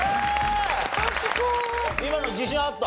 今の自信あった？